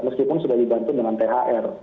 meskipun sudah dibantu dengan thr